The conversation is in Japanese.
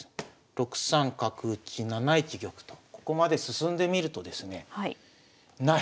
６三角打７一玉とここまで進んでみるとですねない！